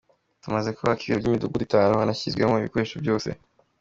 Tumaze kubaka ibiro by’imidugudu itanu, hanashyizwemo ibikoresho byose.